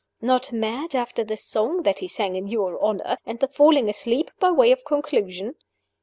Not mad, after the song that he sang in your honor, and the falling asleep by way of conclusion?